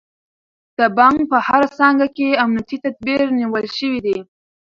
د بانک په هره څانګه کې امنیتي تدابیر نیول شوي دي.